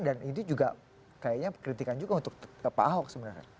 dan ini juga kayaknya kritikan juga untuk pak ahok sebenarnya